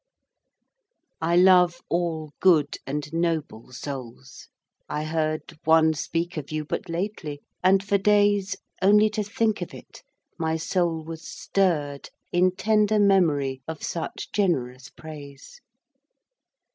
I love all good and noble souls; I heard One speak of you but lately, and for days Only to think of it, my soul was stirred In tender memory of such generous praise.